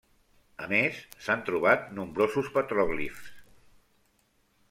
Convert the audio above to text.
A més, s'han trobat nombrosos petròglifs.